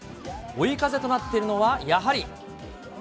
追い風となっているのはやはり。